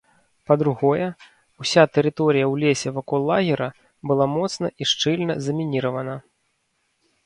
Па-другое, уся тэрыторыя ў лесе вакол лагера была моцна і шчыльна замініравана.